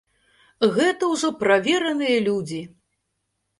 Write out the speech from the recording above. Гэта ж ужо правераныя людзі!